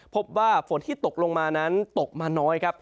พบว่าฝนที่ตกลงมานั้นตกมาน้อยครับ